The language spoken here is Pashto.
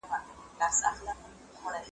خو د عقل څښتن کړی یې انسان دی .